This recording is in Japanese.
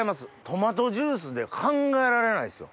トマトジュースで考えられないですよ。